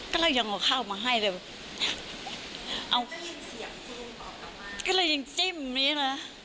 ก็เรายังเอาข้าวมาให้เลยเอาเราก็เลยยังจิ้มอย่างนี้เหรอ